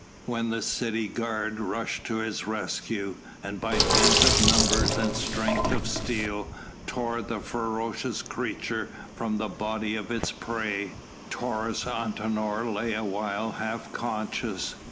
When the city guard rushed to his rescue, and by dint of numbers and strength of steel tore the ferocious creature from the body of its prey, Taurus Antinor lay a while half conscious.